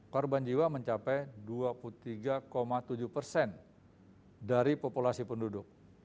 korban jiwa mencapai dua puluh tiga tujuh persen dari populasi penduduk